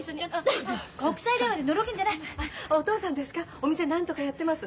お店なんとかやってます。